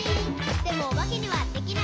「でもおばけにはできない。」